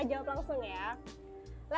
jawab langsung ya